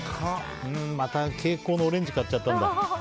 また蛍光のオレンジ買っちゃったんだ。